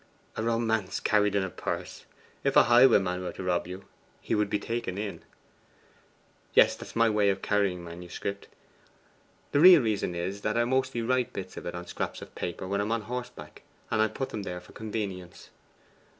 'A romance carried in a purse! If a highwayman were to rob you, he would be taken in.' 'Yes; that's my way of carrying manuscript. The real reason is, that I mostly write bits of it on scraps of paper when I am on horseback; and I put them there for convenience.